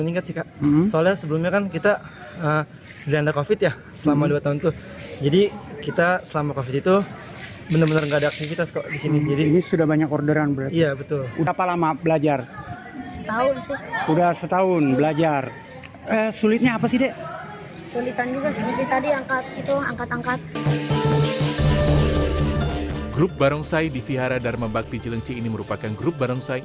grup barongsai di vihara dharma bakti cilengsi ini merupakan grup barongsai